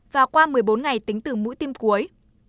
và qua một mươi bốn ngày tính từ mũi tim cuối